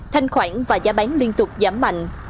thanh khoản và giá bán liên tục giảm mạnh